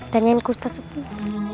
tanyain ke ustadz sepuh